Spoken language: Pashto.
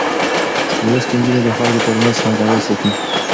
لوستې نجونې د خلکو ترمنځ همغږي ساتي.